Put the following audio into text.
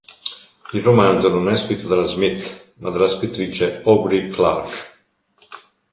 Il romanzo non è scritto dalla Smith, ma dalla scrittrice Aubrey Clark.